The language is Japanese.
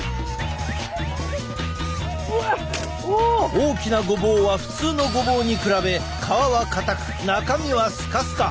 大きなごぼうは普通のごぼうに比べ皮はかたく中身はスカスカ。